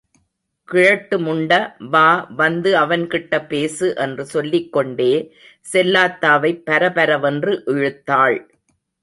கிழட்டு முண்ட... வா... வந்து அவன் கிட்டப்பேசு என்று சொல்லிக் கொண்டே செல்லாத்தாவைப் பரபரவென்று இழுத்தாள்.